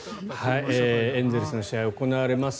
エンゼルスの試合が行われます